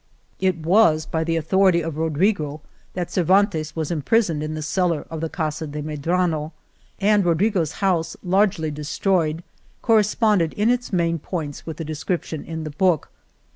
It was by the authority of Rodrigo ^JsSa^^gv^ 54 Argamasilla that Cervantes was imprisoned in the cellar of the Casa de Medrano, and Rodrigo's house, lately destroyed, corresponded in its main points with the description in the book.